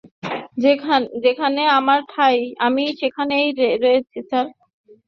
যেখানে আমার ঠাই, আমি সেখানেই রয়েছি, স্যার।